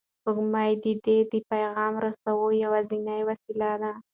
سپوږمۍ د ده د پیغام رسولو یوازینۍ وسیله ده.